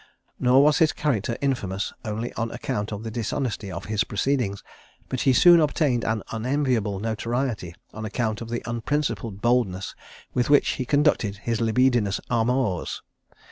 Nor was his character infamous only on account of the dishonesty of his proceedings, but he soon obtained an unenviable notoriety on account of the unprincipled boldness with which he conducted his libidinous amours.